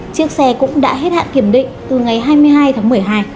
chiếc xe cũng đã hết hạn kiểm định từ ngày hai mươi hai tháng một mươi hai